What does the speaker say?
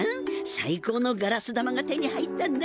さい高のガラス玉が手に入ったんだよ。